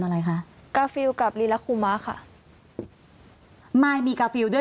อะไรค่ะกราฟิวกับรีลักษณ์คุมะค่ะไม่มีกราฟิวด้วย